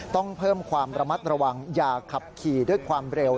ต้องเพิ่มความระมัดระวังอย่าขับขี่ด้วยความเร็ว